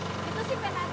itu sih penatee